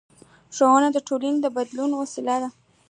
ښوونه د ټولنې د بدلون وسیله ده